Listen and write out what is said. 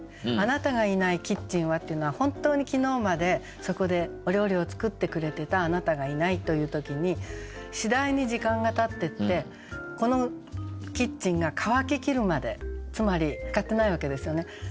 「あなたが居ないキッチンは」っていうのは本当に昨日までそこでお料理を作ってくれてた「あなた」がいないという時に次第に時間がたってってこのキッチンが乾き切るまでつまり使ってないわけですよね。